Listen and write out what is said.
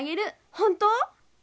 本当？